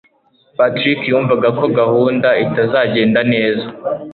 Patrick yumvaga ko gahunda itazagenda neza.